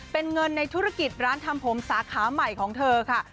เป็นเงินในธุรกิจร้านทำผมสาขาใหม่ของเธอค่ะ